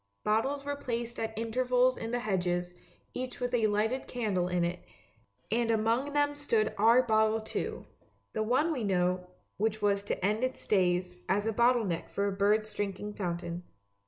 Bottles were placed at intervals in the hedges, each with a lighted candle in it, and among them stood our bottle too, the one we know, which was to end its days as a bottle neck for a bird's drinking fountain.